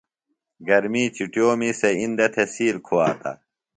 گرمی چُٹیومی سےۡ اِندہ تھےۡ سیل کُھواتہ۔